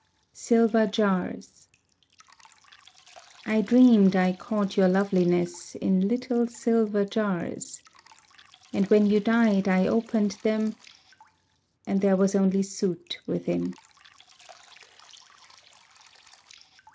Silver Jars I dreamed I caught your loveliness In little silver jars: And when you died I opened them, And there was only soot within.